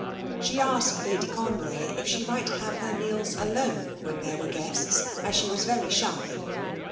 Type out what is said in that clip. She asked Lady Conroy if she might have her meals alone when there were guests, as she was very shy.